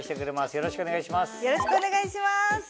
よろしくお願いします。